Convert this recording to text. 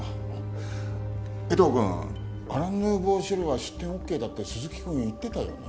江藤くんアラン・ヌーボー・シエルは出店オーケーだって鈴木くん言ってたよね？